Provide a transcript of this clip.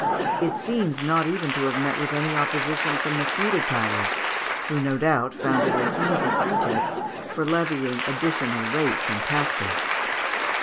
It seems not even to have met with any opposition from the feudal powers, who no doubt found it an easy pretext for levying additional rates and taxes.